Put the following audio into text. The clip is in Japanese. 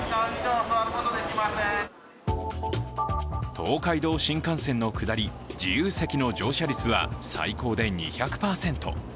東海道新幹線の下り、自由席の乗車率は最高で２００％。